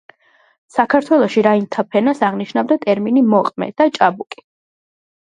საქართველოში რაინდთა ფენას აღნიშნავდა ტერმინი მოყმე და ჭაბუკი.